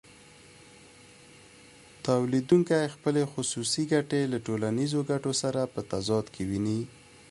تولیدونکی خپلې خصوصي ګټې له ټولنیزو ګټو سره په تضاد کې ویني